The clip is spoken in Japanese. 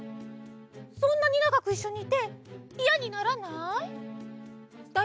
そんなにながくいっしょにいていやにならない？